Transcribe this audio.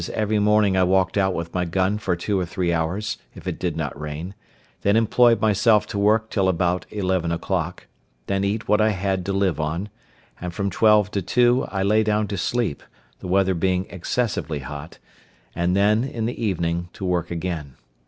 every morning I walked out with my gun for two or three hours, if it did not rain; then employed myself to work till about eleven o'clock; then eat what I had to live on; and from twelve to two I lay down to sleep, the weather being excessively hot; and then, in the evening, to work again.